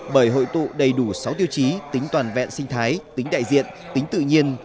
bởi hội tụ đầy đủ sáu tiêu chí tính toàn vẹn sinh thái tính đại diện tính tự nhiên